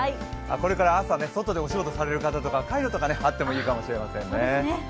これから朝、外でお仕事される方はカイロとかあってもいいかもしれませんね。